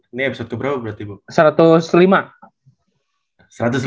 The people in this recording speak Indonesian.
ini episode keberapa berarti bu